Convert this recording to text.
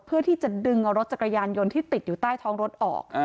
เพื่อที่จะดึงเอารถจักรยานยนต์ที่ติดอยู่ใต้ท้องรถออก